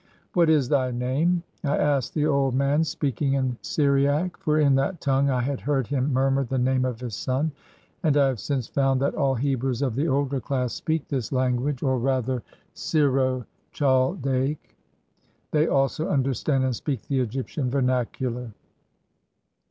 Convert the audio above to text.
"What is thy name?" I asked the old man, speaking in Syriac, for in that tongue I had heard him murmur the name of his son ; and I have since found that all Hebrews of the older class speak this language, or rather 134 IN THE BRICK FIELDS Syxo Chaldaic. They also understand and speak the Egyptian vernacular.